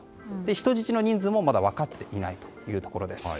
人質の人数もまだ分かっていないというところです。